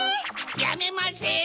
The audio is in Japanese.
やめません！